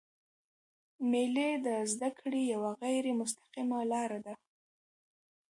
مېلې د زدهکړي یوه غیري مستقیمه لاره ده.